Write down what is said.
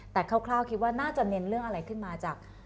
แต่คร่าวคิดว่าน่าจะเน้นเรื่องอะไรขึ้นมาจาก